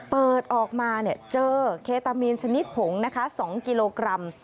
เปิดออกมาเจอเคตามีนชนิดผงนะคะ๒กิโลกรัม